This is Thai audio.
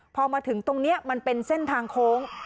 พอมาถึงตรงนี้มันเป็นเส้นทางโค้ง